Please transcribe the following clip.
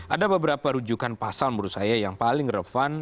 ada beberapa rujukan pasal menurut saya yang paling relevan